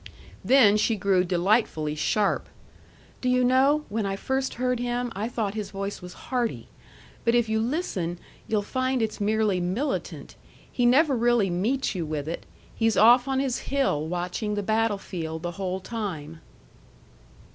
Then she grew delightfully sharp. "Do you know, when I first heard him I thought his voice was hearty. But if you listen, you'll find it's merely militant. He never really meets you with it. He's off on his hill watching the battle field the whole time."